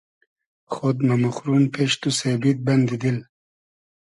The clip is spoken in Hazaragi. خۉد مۂ موخروم پیش تو سېبید بئندی دیل